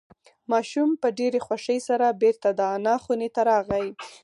ماشوم په ډېرې خوښۍ سره بیرته د انا خونې ته راغی.